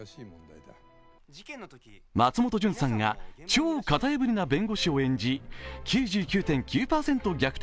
松本潤さんが超型破りな弁護士を演じ、９９．９％逆転